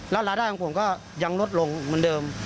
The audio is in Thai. แล้วรายได้ของผมก็ยังลดลงเหมือนเดิม